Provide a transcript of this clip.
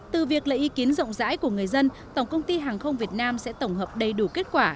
từ việc lấy ý kiến rộng rãi của người dân tổng công ty hàng không việt nam sẽ tổng hợp đầy đủ kết quả